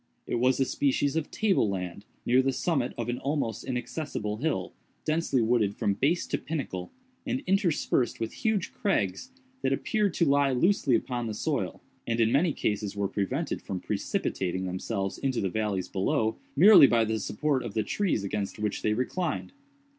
It was a species of table land, near the summit of an almost inaccessible hill, densely wooded from base to pinnacle, and interspersed with huge crags that appeared to lie loosely upon the soil, and in many cases were prevented from precipitating themselves into the valleys below, merely by the support of the trees against which they reclined.